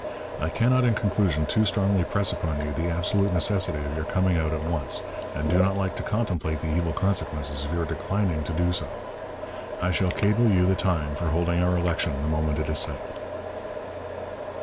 I cannot in conclusion too strongly press upon you the absolute necessity of your coming out at once, and do not like to contemplate the evil consequences of your declining to do so. I shall cable you the time for holding our election the moment it is settled.